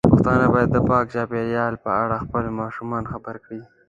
پښتانه بايد د پاک چاپیریال په اړه خپل ماشومان خبر کړي.